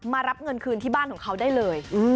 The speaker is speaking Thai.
รับเงินคืนที่บ้านของเขาได้เลย